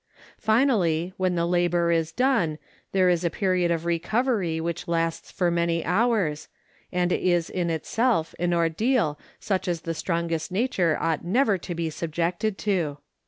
Finally, when the labor is done there is the period of recovery which lasts for many hours, and is in itself an ordeal which the strongest nature ought never to be subjected to.